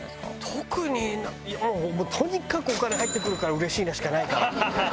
特に、いやもう、とにかくお金入ってくるからうれしいなしかないから。